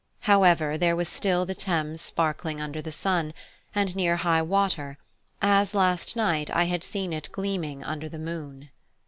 However, there was still the Thames sparkling under the sun, and near high water, as last night I had seen it gleaming under the moon.